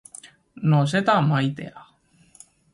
No seda ma ei tea!